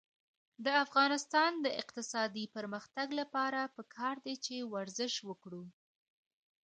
د افغانستان د اقتصادي پرمختګ لپاره پکار ده چې ورزش وکړو.